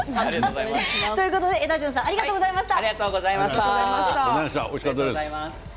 エダジュンさんありがとうございました。